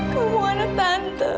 kamu anak tante